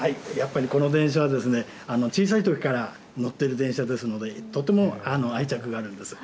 この電車は小さいときから乗っている電車ですのでとても愛着があります。